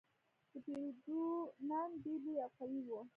ديپروتودونان ډېر لوی او قوي وو.